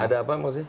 ada apa maksudnya